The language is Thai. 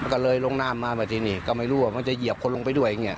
ก็เลยลงน้ำมามาที่นี่ก็ไม่รู้ว่ามันจะเหยียบคนลงไปด้วยอย่างนี้